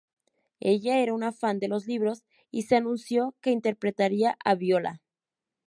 Ella era una fan de los libros, y se anunció que interpretaría a Viola.